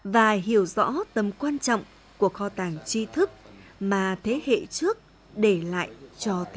và hiểu rõ tầm quan trọng của kho tàng tri thức mà thế hệ trước để lãng phí cho người tày